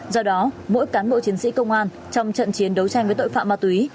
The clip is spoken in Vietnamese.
do đó mỗi cán bộ chiến sĩ công an trong trận chiến đấu tranh với tội phạm ma túy